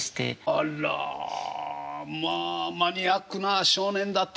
あらまあマニアックな少年だったんですね。